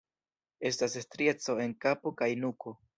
Estas strieco en kapo kaj nuko.